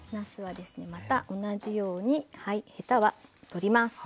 また同じようにヘタは取ります。